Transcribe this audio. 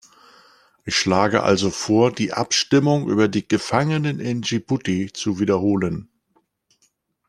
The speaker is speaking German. Ich schlage also vor, die Abstimmung über die Gefangenen in Dschibuti zu wiederholen.